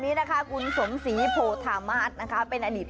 มอลำคลายเสียงมาแล้วมอลำคลายเสียงมาแล้ว